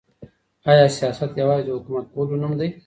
آیا سیاست یوازي د حکومت کولو نوم دی؟